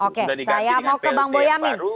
oke saya mau ke bang boyamin